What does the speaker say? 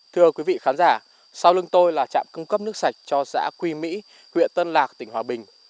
thưa quý vị khán giả sau lưng tôi là trạm cung cấp nước sạch cho xã quy mỹ huyện tân lạc tỉnh hòa bình